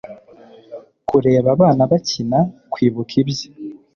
kureba abana bakina, kwibuka ibye